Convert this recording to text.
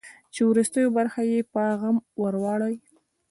چې وروستۍ برخه یې په غم ور ولړي.